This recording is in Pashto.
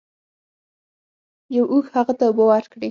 یو اوښ هغه ته اوبه ورکړې.